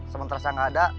sementara saya gak ada